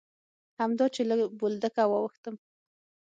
همدا چې له بولدکه واوښتم.